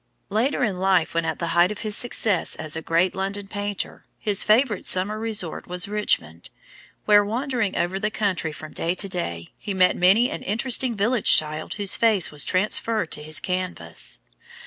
Later in life, when at the height of his success as a great London painter, his favorite summer resort was Richmond, where, wandering about the country from day to day, he met many an interesting village child whose face was transferred to his canvas.